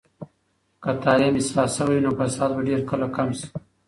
که تعلیم اصلاح شوي وي، نو فساد به ډیر کله کم شي.